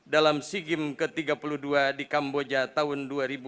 dalam sigim ke tiga puluh dua di kamboja tahun dua ribu dua puluh tiga